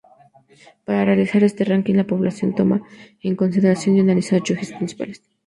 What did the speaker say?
Para realizar este ranking, la publicación toma en consideración y analiza ocho ejes principales.